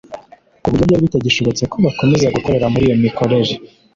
ku buryo byari bitagishobotse ko bakomeza gukorera muri iyo mikorere